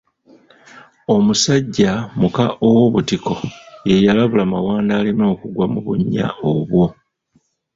Omusajja Mukka ow'Obutiko ye yalabula Mawanda aleme kugwa mu bunnya obwo.